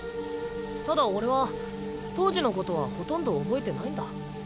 ただ俺は当時のことはほとんど覚えてないんだ。